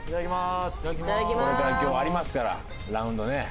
これから今日ありますからラウンドねはい。